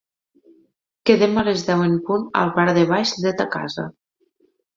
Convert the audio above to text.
Quedem a les deu en punt al bar de baix de ta casa.